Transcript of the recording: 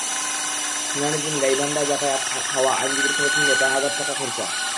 শুনানির দিন গাইবান্ধায় যাতায়াত, খাওয়া, আইনজীবীর খরচ মিলিয়ে প্রায় হাজার টাকা খরচা।